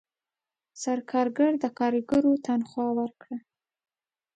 سرکارګر د کارګرو تنخواه ورکړه.